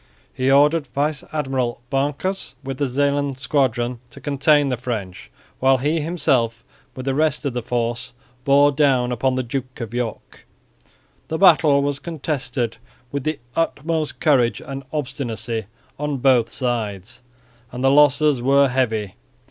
He ordered Vice Admiral Banckers with the Zeeland squadron to contain the French, while he himself with the rest of his force bore down upon the Duke of York. The battle was contested with the utmost courage and obstinacy on both sides and the losses were heavy.